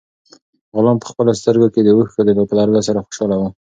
غلام په خپلو سترګو کې د اوښکو په لرلو سره خوشاله و.